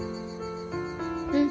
うん。